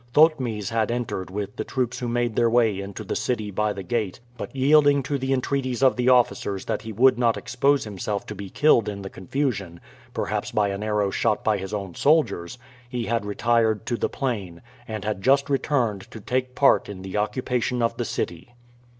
Thotmes had entered with the troops who made their way into the city by the gate, but yielding to the entreaties of the officers that he would not expose himself to be killed in the confusion, perhaps by an arrow shot by his own soldiers, he had retired to the plain, and had just returned to take part in the occupation of the city.